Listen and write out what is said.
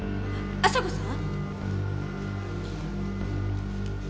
亜沙子さん？